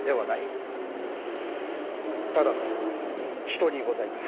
ただの人にございます。